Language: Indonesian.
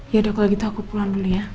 yaudah kalau gitu aku pulang dulu ya